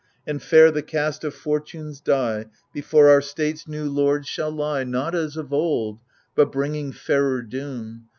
And fair the cast of Fortune's die Before our state's new lords shall lie. Not as of old, but bringing fairer doom.